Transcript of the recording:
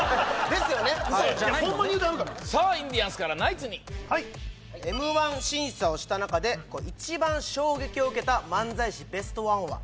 ですよねホンマに言うてはるからさあインディアンスからナイツに・はいＭ−１審査をした中で一番衝撃を受けた漫才師ベストワンは？